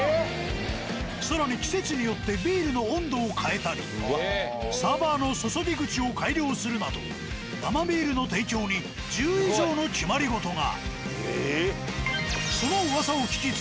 更に季節によってビールの温度を変えたりサーバーの注ぎ口を改良するなど生ビールの提供に１０以上の決まり事が。